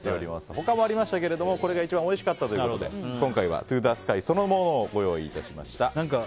他もありましたけどもこれが一番おいしかったということで今回はＴＯＴＨＥＳＫＹそのものをご用意しました。